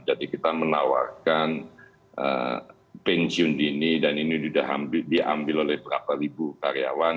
jadi kita menawarkan pensiun dini dan ini sudah diambil oleh berapa ribu karyawan